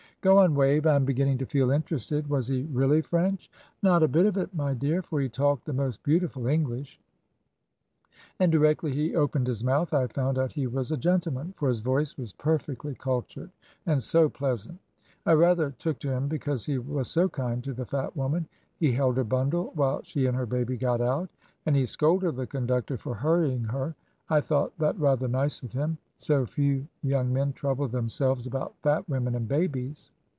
"Go on, Wave. I am beginning to feel interested. Was he really French?" "Not a bit of it, my dear, for he talked the most beautiful English; and directly he opened his mouth I found out he was a gentleman, for his voice was perfectly cultured and so pleasant. I rather took to him because he was so kind to the fat woman; he held her bundle while she and her baby got out, and he scolded the conductor for hurrying her. I thought that rather nice of him; so few young men trouble themselves about fat women and babies."